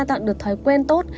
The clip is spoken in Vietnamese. tạo được thói quen tốt